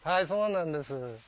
そうなんですよ。